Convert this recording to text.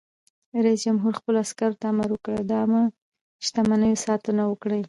رئیس جمهور خپلو عسکرو ته امر وکړ؛ د عامه شتمنیو ساتنه وکړئ!